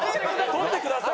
取ってください。